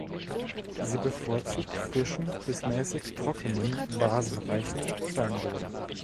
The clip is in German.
Sie bevorzugt frischen bis mäßig trockenen, basenreichen Steinboden.